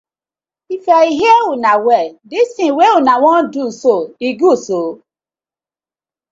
If I hear una well, dis ting wey una wan do so e good so.